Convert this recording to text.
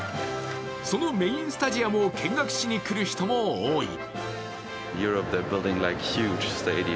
そのメインスタジアムを見学しに来る人も多い。